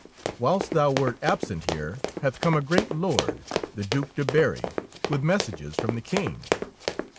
Whilst thou wert absent here hath come a great lord, the Due de Berry, with messages from the King.